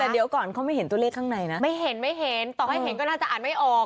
แต่เดี๋ยวก่อนเขาไม่เห็นตัวเลขข้างในนะไม่เห็นไม่เห็นต่อให้เห็นก็น่าจะอ่านไม่ออก